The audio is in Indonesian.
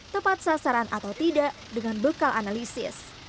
tepat sasaran atau tidak dengan bekal analisis